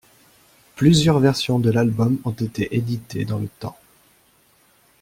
Plusieurs versions de l'album ont été édités dans le temps.